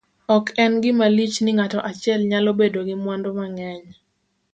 ok en gima lich ni ng'ato achiel nyalo bedo gi mwandu mang'eny